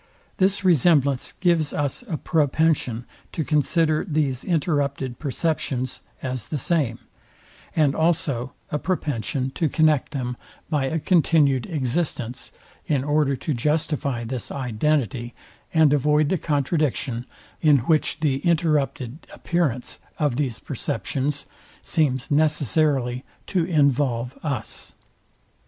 This resemblance gives us a propension to consider these interrupted perceptions as the same; and also a propension to connect them by a continued existence, in order to justify this identity, and avoid the contradiction, in which the interrupted appearance of these perceptions seems necessarily to involve us.